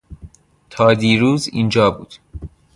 تا دیروز اینجا بود.